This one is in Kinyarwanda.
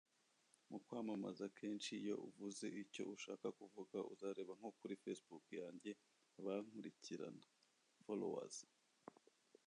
mu kwamamaza kenshi iyo uvuze icyo ushaka kuvuga uzareba nko kuri Facebook yanjye abankurikirana [Followers]